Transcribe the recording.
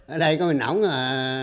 ở đây có mình ổng à